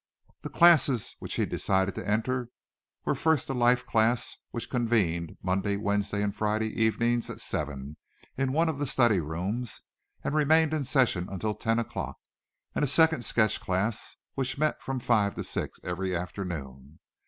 The classes which he decided to enter were first a life class which convened Monday, Wednesday and Friday evenings at seven in one of the study rooms and remained in session until ten o'clock, and second a sketch class which met from five to six every afternoon.